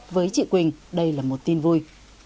với chị quỳnh đây là một tin vui